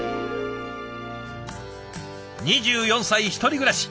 ２４歳１人暮らし。